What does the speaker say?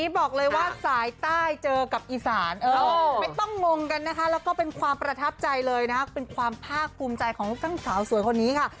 บอกเลยว่าสายใต้เจอกับอีสานไม่ต้องงงกันนะคะแล้วก็เป็นความประทับใจเลยนะเป็นความภาคภูมิใจของลูกทั้งสาวสวยคนนี้ค่ะ